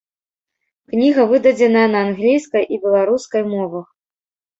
Кніга выдадзеная на англійскай і беларускай мовах.